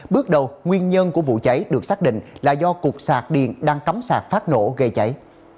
bước đầu nguyên nhân của vụ cháy được xác định là do cục sạc điện đang cắm sạc phát nổ gây cháy